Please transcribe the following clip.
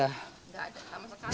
nggak ada sama sekali